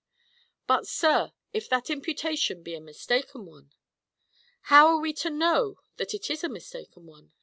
"But, sir if that imputation be a mistaken one?" "How are we to know that it is a mistaken one?"